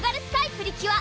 プリキュア